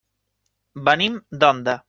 Venim d'Onda.